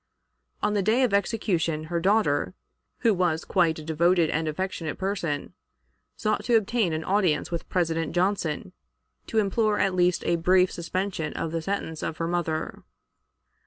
On the day of the execution, her daughter, who was quite a devoted and affectionate person, sought to obtain an audience with President Johnson to implore at least a brief suspension of the sentence of her mother.